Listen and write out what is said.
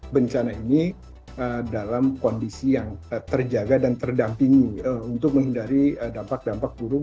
bencana ini dalam kondisi yang terjaga dan terdampingi untuk menghindari dampak dampak burung